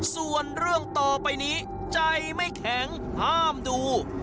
ส่วนเรื่องต่อไปนี้ใจไม่แข็งห้ามดู